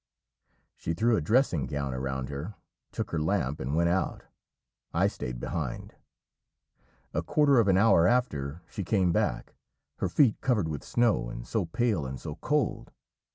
She threw a dressing gown around her, took her lamp, and went out. I stayed behind. A quarter of an hour after she came back, her feet covered with snow, and so pale and so cold!